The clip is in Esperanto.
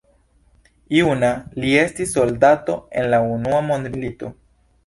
Juna, li estis soldato en la Unua Mondmilito.